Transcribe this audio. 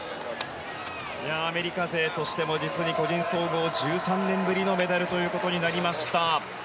アメリカ勢としても実に個人総合１３年ぶりのメダルということになりました。